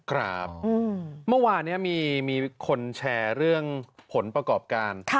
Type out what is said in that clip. ครับเมื่อวานนี้มีคนแชร์เรื่องผลประกอบการ